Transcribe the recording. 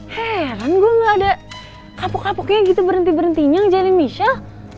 heran gue gak ada kapok kapoknya gitu berhenti berhentinya ngejalin michelle